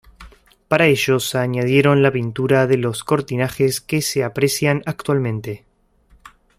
Para ello, se añadieron la pintura de los cortinajes que se aprecian actualmente.